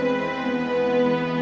k ocokkan orang